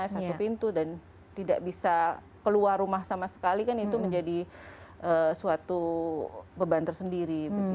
satu pintu dan tidak bisa keluar rumah sama sekali kan itu menjadi suatu beban tersendiri